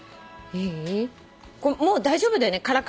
いい？